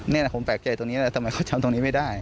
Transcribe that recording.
นี่นะผมแปลกใจตรงนี้แล้วทำไมเขาจำตรงนี้ไม่ได้